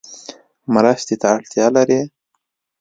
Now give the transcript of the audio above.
مرستې ته اړتیا لری؟